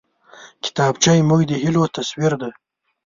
کتابچه زموږ د هيلو تصویر دی